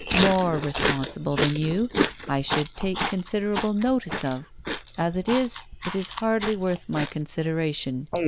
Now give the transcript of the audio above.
more responsible than you, I should take considerable notice of; as it is, it is hardly worth my consideration.